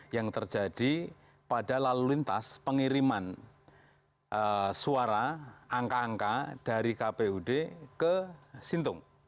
yang terjadi pada lalu lintas pengiriman suara angka angka dari kpud ke sintung